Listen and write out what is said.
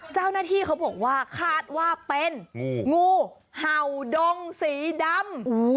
เจ้าหน้าที่เขาบอกว่าคาดว่าเป็นงูเห่าดงสีดำ